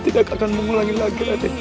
tidak akan mengulangi lagi nanti